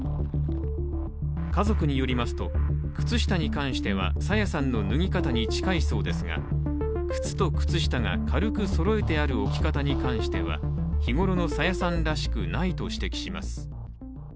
家族によりますと、靴下に関しては朝芽さんの脱ぎ方に近いそうですが靴と靴下が軽くそろえてある置き方に関しては日ごろの朝芽さんらしくないと指摘します。